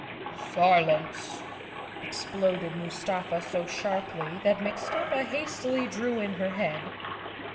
"Silence!" exploded Mustafa so sharply that Mix¬ tuppa hastily drew in her head.